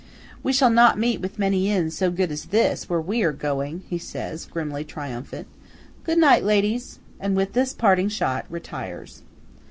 "We shall not meet with many inns so good as this, where we are going," he says, grimly triumphant. "Good night, ladies!"–and with this parting shot, retires.